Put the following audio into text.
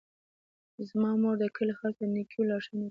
زما مور د کلي خلکو ته د نیکیو لارښوونې کوي.